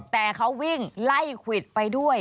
แต่เขาวิ่งไล่ควิดไปด้วย